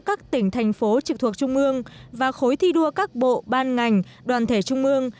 các tỉnh thành phố trực thuộc trung ương và khối thi đua các bộ ban ngành đoàn thể trung ương